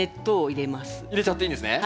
入れちゃっていいんですね？